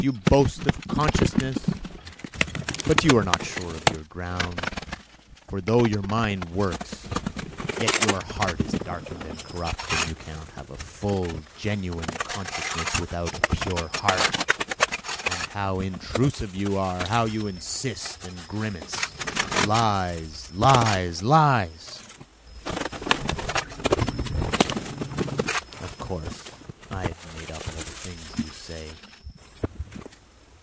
You boast of consciousness, but you are not sure of your ground, for though your mind works, yet your heart is darkened and corrupt, and you cannot have a full, genuine consciousness without a pure heart. And how intrusive you are, how you insist and grimace! Lies, lies, lies!" Of course I have myself made up all the things you say.